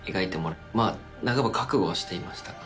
まあ半ば覚悟はしていましたが。